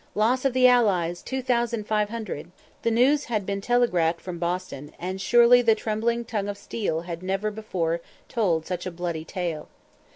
Loss of the Allies, two thousand five hundred._" This news had been telegraphed from Boston, and surely the trembling tongue of steel had never before told such a bloody tale.